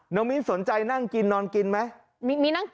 น้องมีนสนใจนั่งกินนอนกินไหม